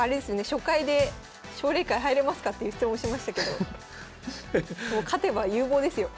初回で奨励会入れますかっていう質問しましたけど勝てば有望ですよ。